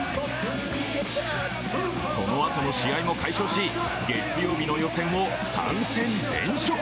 そのあとの試合も快勝し月曜日の予選を３選全勝。